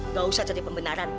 nggak usah jadi pembenaran